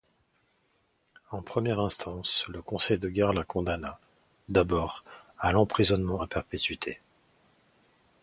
En première instance, le Conseil de guerre le condamna, d'abord, à l'emprisonnement à perpétuité.